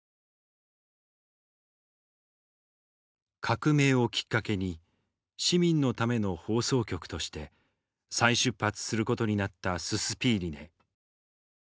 革命をきっかけに市民のための放送局として再出発することになったススピーリネ。